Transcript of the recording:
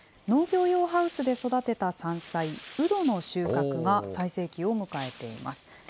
農業用ハウスで育てた山菜、うどの収穫が最盛期を迎えています。